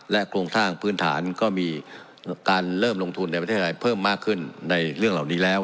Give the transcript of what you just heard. โครงสร้างพื้นฐานก็มีการเริ่มลงทุนในประเทศไทยเพิ่มมากขึ้นในเรื่องเหล่านี้แล้ว